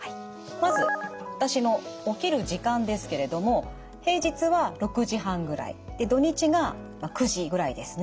まず私の起きる時間ですけれども平日は６時半ぐらいで土日が９時ぐらいですね。